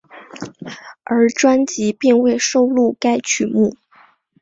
而专辑并未收录该曲目。